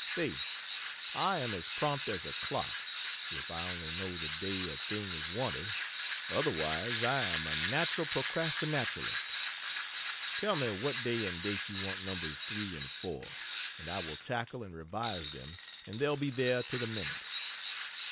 Say I am as prompt as a clock, if I only know the day a thing is wanted otherwise I am a natural procrastinaturalist. Tell me what day and date you want Nos. 3 and 4, and I will tackle and revise them and they'll be there to the minute.